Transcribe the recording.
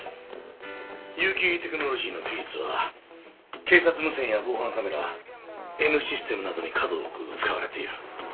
結城テクノロジーの技術は警察無線や防犯カメラＮシステムなどに数多く使われている。